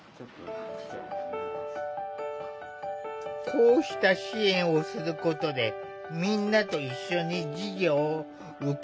こうした支援をすることでみんなと一緒に授業を受けられる。